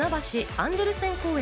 アンデルセン公園。